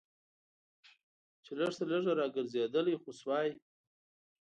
چې لږ تر لږه راګرځېدلی خو شوای.